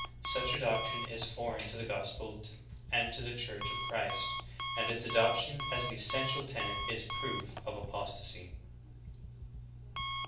Such a doctrine is foreign to the gospel and to the Church of Christ, and its adoption as an essential tenet is proof of apostasy.